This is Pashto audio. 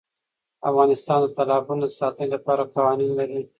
افغانستان د تالابونو د ساتنې لپاره قوانین لري.